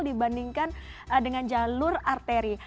dibandingkan dengan jalur arteri